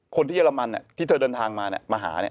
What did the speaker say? คนที่เยอรมันที่เธอเดินทางมาเนี่ยมาหาเนี่ย